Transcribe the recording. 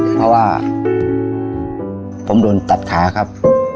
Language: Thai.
เพราะว่าผมโดนตัดขาครับ